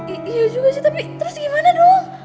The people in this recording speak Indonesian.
ide juga sih tapi terus gimana dong